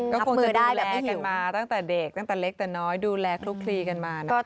ก็คงจะดูแลกันมาตั้งแต่เด็กตั้งแต่เล็กตั้งแต่น้อยดูแลทุกทีกันมานะครับ